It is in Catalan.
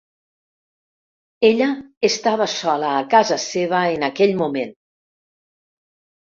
Ella estava sola a casa seva en aquell moment.